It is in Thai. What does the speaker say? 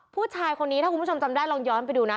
ผู้ชายคนนี้ถ้าคุณผู้ชมจำได้ลองย้อนไปดูนะ